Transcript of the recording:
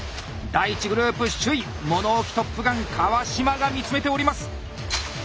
第１グループ首位物置トップガン川島が見つめております！